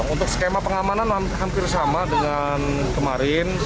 untuk skema pengamanan hampir sama dengan kemarin